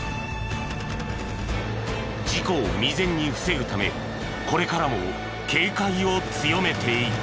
事故を未然に防ぐためこれからも警戒を強めていく。